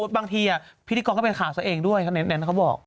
บางทีพิธีกรก็เป็นข่าวซะเองด้วยเขาบอก